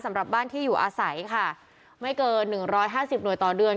สำหรับบ้านที่อยู่อาศัยค่ะไม่เกินหนึ่งร้อยห้าสิบหน่วยต่อเดือน